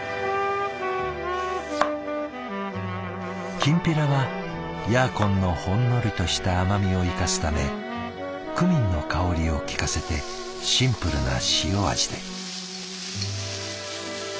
きんぴらはヤーコンのほんのりとした甘みを生かすためクミンの香りを効かせてシンプルな塩味で。